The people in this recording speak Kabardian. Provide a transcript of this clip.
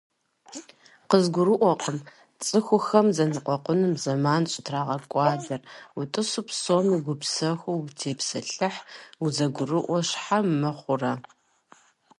КъызгурыӀурэкъым цӀыхухэм зэныкъуэкъуным зэман щӀытрагъэкӀуэдэр, утӀысу псоми гупсэхуу утепсэлъыхь, узэгурыӏуэ щхьэ мыхъурэ?